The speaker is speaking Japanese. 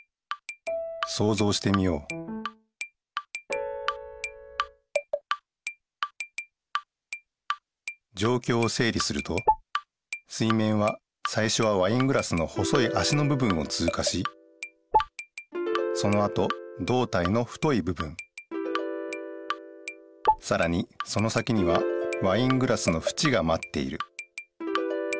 そうぞうしてみようじょうきょうをせい理すると水面はさいしょはワイングラスの細いあしのぶ分をつうかしそのあとどうたいの太いぶ分さらにその先にはワイングラスのふちがまっている